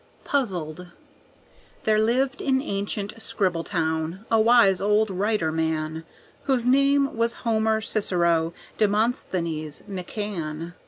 Puzzled There lived in ancient Scribbletown a wise old writer man, Whose name was Homer Cicero Demosthenes McCann.